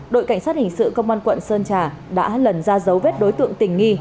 đội cảnh sát hình sự công an quận sơn trà đã lần ra dấu vết đối tượng tình nghi